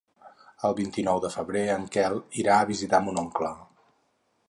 El vint-i-nou de febrer en Quel irà a visitar mon oncle.